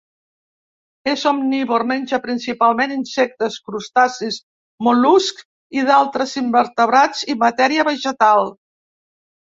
És omnívor: menja principalment insectes, crustacis, mol·luscs i d'altres invertebrats, i matèria vegetal.